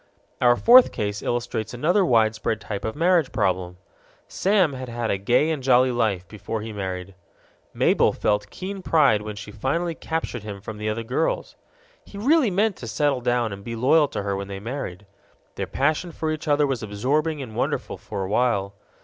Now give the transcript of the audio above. Our fourth case illustrates another widespread type of marriage problem. Sam had had a gay and jolly life before he married. Mabel felt keen pride when she finally captured him from the other girls. He really meant to settle down and be loyal to her when they married. Their passion for each other was absorbing and wonderful for a while.